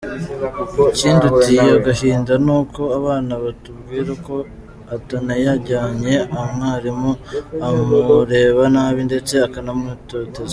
Ikiduteye agahinda ni uko abana batubwira ko utayajyanye umwarimu amureba nabi ndetse akanamutoteza.